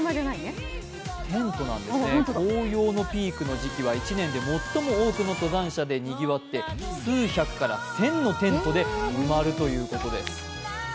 紅葉のピークの時期は、１年でもっとも多くの登山者で賑わって数百から１０００のテントで埋まるということです。